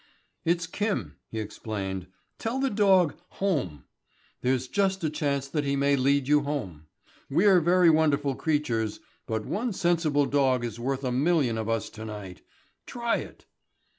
"It's Kim," he explained. "Tell the dog 'home.' There's just a chance that he may lead you home. We're very wonderful creatures, but one sensible dog is worth a million of us to night. Try it."